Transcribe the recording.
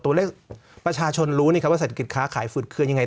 ตัวเลขประชาชนรู้ว่าเศรษฐกิจค้าขายฝืดเครื่องยังไง